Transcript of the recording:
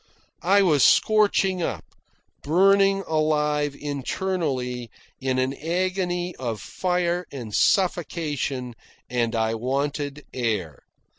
I was scorching up, burning alive internally, in an agony of fire and suffocation, and I wanted air.